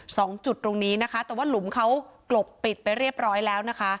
สองจุดตรงนี้นะคะแต่ว่าหลุมเขากลบปิดไปเรียบร้อยแล้วนะคะ